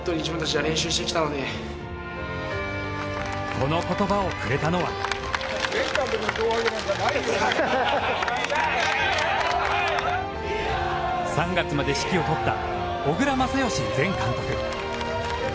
この言葉をくれたのは３月まで指揮をとった、小倉全由前監督。